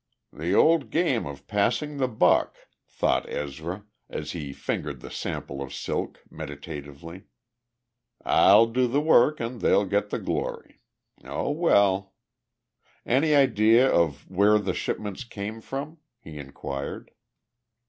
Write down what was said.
"The old game of passing the buck," thought Ezra, as he fingered the sample of silk meditatively. "I'll do the work and they'll get the glory. Oh, well " "Any idea of where the shipments came from?" he inquired.